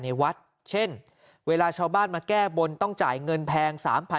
ในวัดเช่นเวลาชาวบ้านมาแก้บนต้องจ่ายเงินแพง๓๐๐